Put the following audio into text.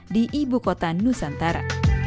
di ibu kota nusantara